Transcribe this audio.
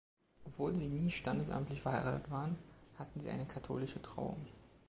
Obwohl sie nie standesamtlich verheiratet waren, hatten sie eine katholische Trauung.